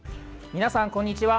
皆さん、こんにちは。